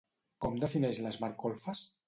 Com defineix les marcolfes?